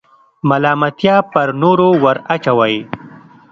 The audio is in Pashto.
ملامتیا پر نورو وراچوئ.